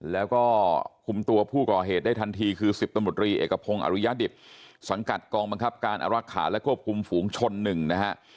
แล้วก็คุมตัวผู้ก่อเหตุได้ทันทีคือ๑๐ตำรวจรีเอกพงศ์อริยดิตสังกัดกองบังคับการอรักษาและควบคุมฝูงชน๑นะฮะ